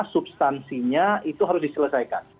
substansinya itu harus diselesaikan